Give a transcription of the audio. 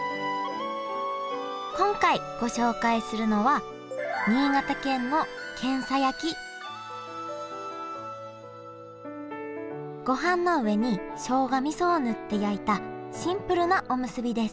今回ご紹介するのはごはんの上にしょうがみそを塗って焼いたシンプルなおむすびです。